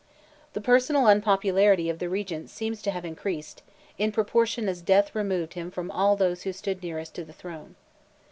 The personal unpopularity of the Regent seems to have increased, in proportion as death removed from him all those who stood nearest to the throne.